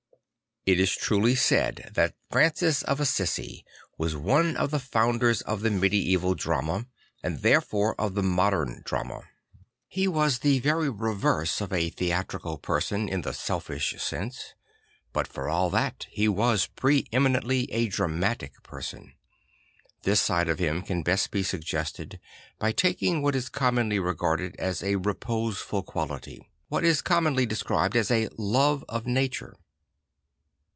It is truly said G 9 8 St. Francis of Assisi that Francis of Assisi was one of the founders of the medieval drama, and therefore of the modern drama. He was the very reverse of a theatrical person in the selfish sense; but for all that he was pre eminently a dramatic person. This side of hhn can best be suggested by taking what is commonly regarded as a reposeful quality; what is commonly described as a love of nature.